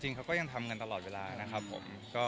เขาก็ยังทำกันตลอดเวลานะครับผม